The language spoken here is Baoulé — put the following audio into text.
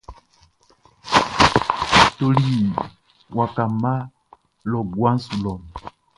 E toli waka mma lɔ guaʼn su lɔ.